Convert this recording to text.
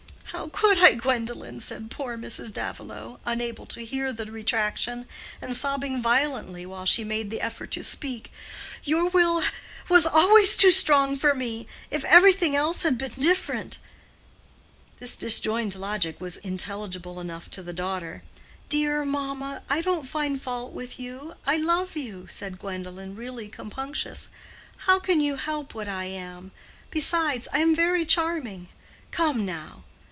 "How could I, Gwendolen?" said poor Mrs. Davilow, unable to hear the retraction, and sobbing violently while she made the effort to speak. "Your will was always too strong for me—if everything else had been different." This disjoined logic was intelligible enough to the daughter. "Dear mamma, I don't find fault with you—I love you," said Gwendolen, really compunctious. "How can you help what I am? Besides, I am very charming. Come, now."